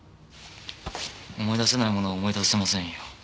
思い出せないものは思い出せませんよ。